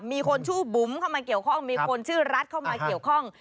มีคนชื่อบุ๋มเข้ามาเกี่ยวข้องมีคนชื่อรัฐเข้ามาเกี่ยวข้อง